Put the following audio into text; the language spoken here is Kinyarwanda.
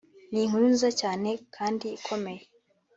ni inkuru nziza cyane kandi ikomeye